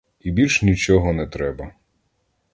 І більш нічого не треба.